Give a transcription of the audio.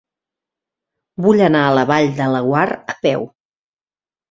Vull anar a la Vall de Laguar a peu.